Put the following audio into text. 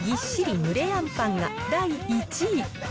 ぬれあんぱんが、第１位。